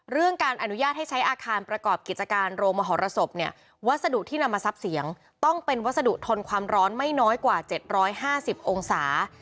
เรื่องการอนุญาตให้ใช้อาคารประกอบกิจการโรงมหรสบเนี่ยวัสดุที่นำมาซับเสียงต้องเป็นวัสดุทนความร้อนไม่น้อยกว่า๗๕๐องศา